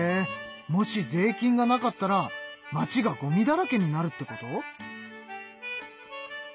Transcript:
もし税金がなかったら町がごみだらけになるってこと？